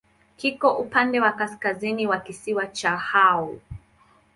Kiko upande wa kaskazini wa kisiwa cha Hao.